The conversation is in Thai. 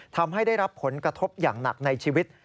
ทำให้ได้รับผลกระทบอย่างหนักในชีวิต